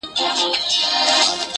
منم د قاف د شاپېريو حُسن!